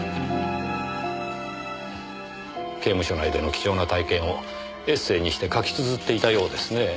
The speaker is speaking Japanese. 刑務所内での貴重な体験をエッセーにして書き綴っていたようですね。